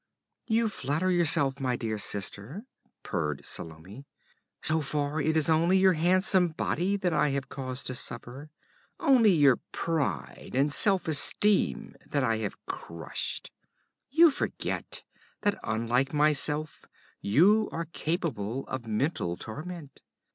'You flatter yourself, my dear sister,' purred Salome. 'So far it is only your handsome body that I have caused to suffer, only your pride and self esteem that I have crushed. You forget that, unlike myself, you are capable of mental torment.